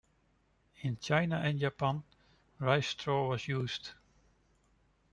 In China and Japan, rice straw was used.